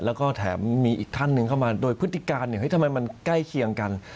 แล้วก็แถมมีอีกท่านหนึ่งเข้ามาโดยพฤติการทำไมมันใกล้เคียงกัน